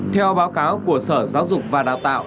theo báo cáo của sở giáo dục và đào tạo